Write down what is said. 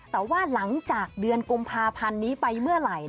แต่ว่าหลังจากเดือนกุมภาพันธ์นี้ไปเมื่อไหร่